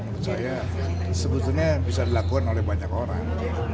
menurut saya sebetulnya bisa dilakukan oleh banyak orang